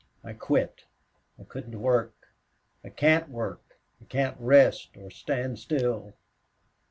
"I quit. I couldn't work. I CAN'T work. I CAN'T rest or stand still!"